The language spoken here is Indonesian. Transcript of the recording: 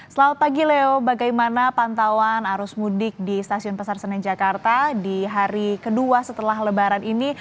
selamat pagi leo bagaimana pantauan arus mudik di stasiun pasar senen jakarta di hari kedua setelah lebaran ini